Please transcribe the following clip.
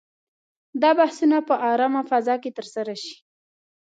دا بحثونه په آرامه فضا کې ترسره شي.